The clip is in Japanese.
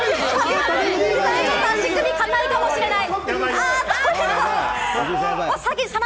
足首、硬いかもしれない。